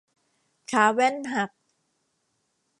ขาแว่นหัก